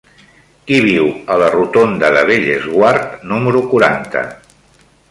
Qui viu a la rotonda de Bellesguard número quaranta?